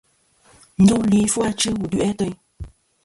Ndu li fu achɨ wul du'i ateyn.